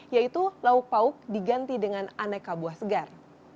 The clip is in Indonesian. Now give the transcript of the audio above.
yaitu lauk pauk diganti dengan aneka buah segar